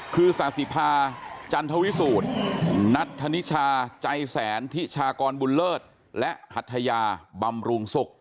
คือสาธิภาจันทวิสูจน์นัทธนิชาใจแสนทิชากรบุญเลิศและหัทยาบำรุงศุกร์